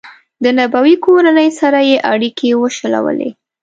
د نبوي کورنۍ سره یې اړیکې وشلولې.